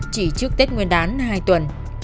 chỉ trước tết nguyên đán hai tuần